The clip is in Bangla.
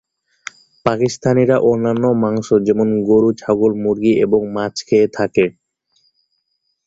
পাকিস্তানিরা অন্যান্য মাংস যেমন গরু, ছাগল, মুরগী এবং মাছ খেয়ে থাকে।